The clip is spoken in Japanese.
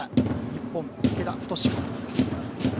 日本、池田太監督です。